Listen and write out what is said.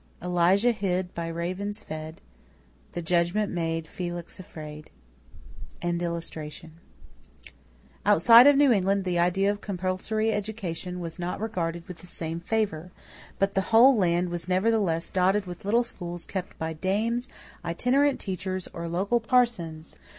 E ELIJAH hid by Ravens fed. F The judgment made FELIX afraid.] Outside of New England the idea of compulsory education was not regarded with the same favor; but the whole land was nevertheless dotted with little schools kept by "dames, itinerant teachers, or local parsons."